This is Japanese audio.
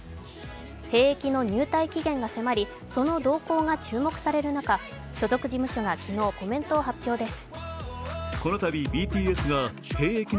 兵役の入隊期限が迫り、その動向が注目される中、所属事務所が昨日、コメントを発表です。